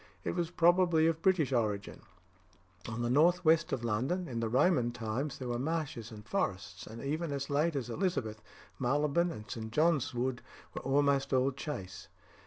It was probably of British origin. On the north west of London, in the Roman times, there were marshes and forests, and even as late as Elizabeth, Marylebone and St. John's Wood were almost all chase.